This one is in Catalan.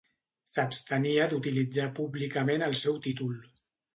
S'abstenia d'utilitzar públicament el seu títol.